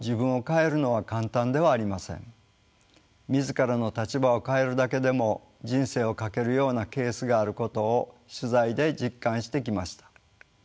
自らの立場を変えるだけでも人生を賭けるようなケースがあることを取材で実感してきました。